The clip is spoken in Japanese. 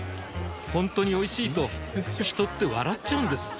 ほんとにおいしいと人って笑っちゃうんです